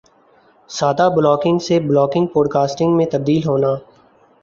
سادہ بلاگنگ سے blogging podcasting میں تبدیل ہونا